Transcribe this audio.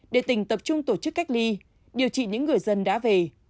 để tỉnh tập trung tổ chức cách ly điều trị những người dân đã về